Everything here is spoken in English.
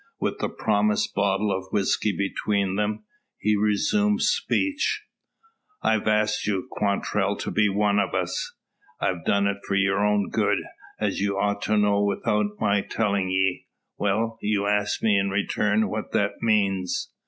With the promised bottle of whisky between them, he resumes speech. "I've asked you, Quantrell, to be one o' us. I've done it for your own good, as you ought to know without my tellin' ye. Well; you asked me in return what that means?"